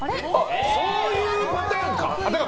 そういうパターンか。